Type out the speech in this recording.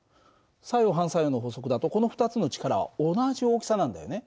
作用・反作用の法則だとこの２つの力は同じ大きさなんだよね。